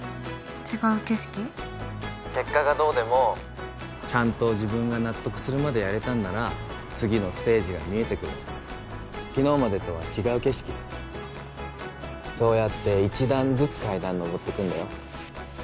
☎結果がどうでもちゃんと自分が納得するまでやれたんなら次のステージが見えてくる昨日までとは違う景色そうやって１段ずつ階段上ってくんだよ